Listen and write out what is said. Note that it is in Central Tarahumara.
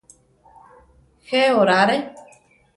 Je orare.